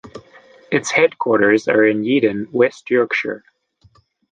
Its headquarters are in Yeadon, West Yorkshire.